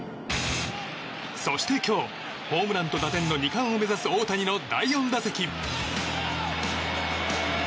そして、今日ホームランと打点の２冠を目指す大谷の第４打席。